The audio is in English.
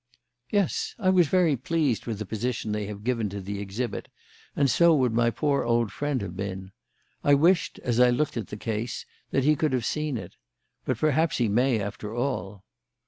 "Yes. I was very pleased with the position they have given to the exhibit, and so would my poor old friend have been. I wished, as I looked at the case, that he could have seen it. But perhaps he may, after all."